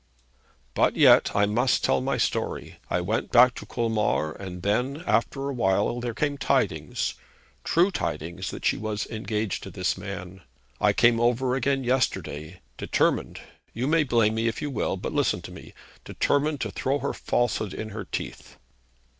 'But yet I must tell my story. I went back to Colmar, and then, after a while, there came tidings, true tidings, that she was engaged to this man. I came over again yesterday, determined, you may blame me if you will, father, but listen to me, determined to throw her falsehood in her teeth.'